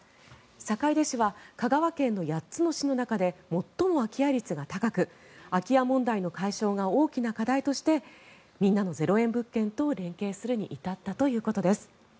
坂出市は香川県の８つの市の中で最も空き家率が高く空き家問題の解消が大きな課題としてみんなの０円物件と連携するに至ったということです。